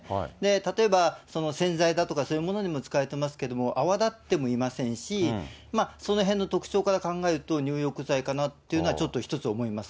例えば洗剤だとかそういうものにも使われていますけれども、泡立ってもいませんし、そのへんの特徴から考えると、入浴剤かなっていうのは、ちょっと一つ思います。